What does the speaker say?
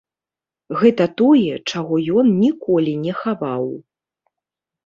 Гэта тое, чаго ён ніколі не хаваў.